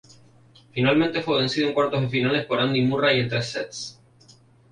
Finalmente fue vencido en cuartos de finales por Andy Murray en tres sets.